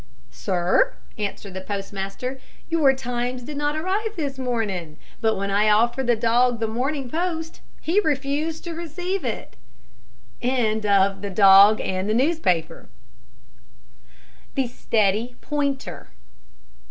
"Sir," answered the postmaster, "your Times did not arrive this morning; but when I offered the dog the Morning Post he refused to receive it." THE STEADY POINTER.